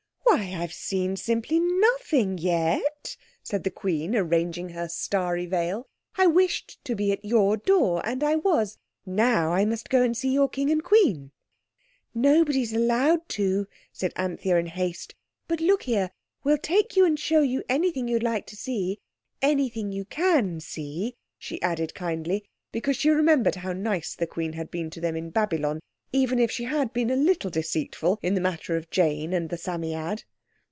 "Why, I've seen simply nothing yet," said the Queen, arranging her starry veil. "I wished to be at your door, and I was. Now I must go and see your King and Queen." "Nobody's allowed to," said Anthea in haste; "but look here, we'll take you and show you anything you'd like to see—anything you can see," she added kindly, because she remembered how nice the Queen had been to them in Babylon, even if she had been a little deceitful in the matter of Jane and Psammead.